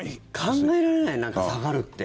考えられない下がるって。